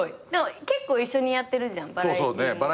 結構一緒にやってるじゃんバラエティーも。